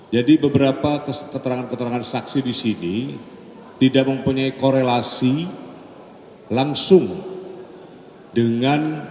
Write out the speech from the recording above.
jadi beberapa keterangan keterangan saksi disini tidak mempunyai korelasi langsung dengan